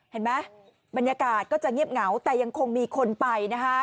เห็นไหมบรรยากาศก็จะเงียบเหงาแต่ยังคงมีคนไปนะคะ